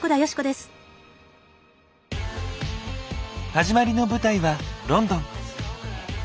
始まりの舞台はロンドン。